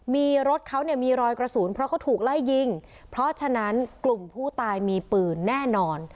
มีรถเขาเนี่ยมีรอยกระสุนเพราะเขาถูกไล่ยิงเพราะฉะนั้นกลุ่มผู้ตายมีปืนแน่นอน